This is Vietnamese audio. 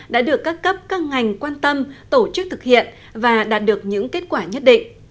đã được các cấp các ngành quan tâm tổ chức thực hiện và đạt được những kết quả nhất định